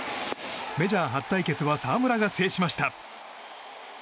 メジャー初対決は澤村が制しました。